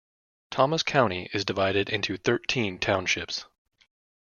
Thomas County is divided into thirteen townships.